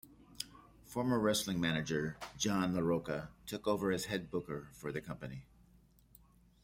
Former wrestling manager John LaRocca took over as head booker for the company.